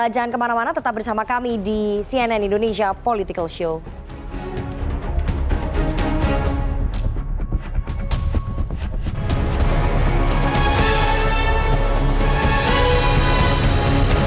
jangan kemana mana tetap bersama kami di cnn indonesia political show